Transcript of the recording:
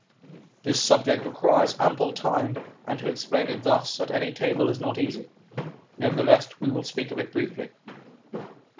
This subject requires ample time, and to explain it thus at table is not easy; nevertheless we will speak of it briefly.